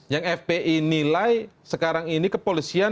yang fpi nilai sekarang ini kepolisian